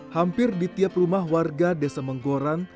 hampir di tiap rumah warga desa menggoran